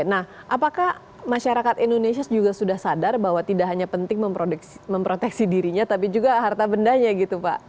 nah apakah masyarakat indonesia juga sudah sadar bahwa tidak hanya penting memproteksi dirinya tapi juga harta bendanya gitu pak